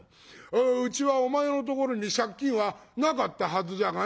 うちはお前のところに借金はなかったはずじゃがな」。